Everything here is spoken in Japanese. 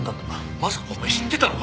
まさかお前知ってたのか？